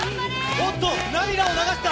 おっと、涙を流した！